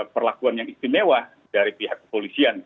perlakuan yang istimewa dari pihak kepolisian